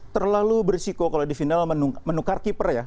terlalu berisiko kalau di final menukar keeper ya